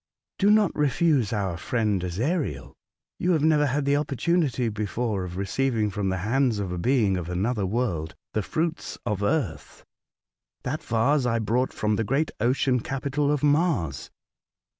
" Do not refuse our friend, Ezariel. You have never had the opportunity before of re ceiving from the hands of a being of another world the fruits of earth. That vase I brought from the great ocean capital of Mars.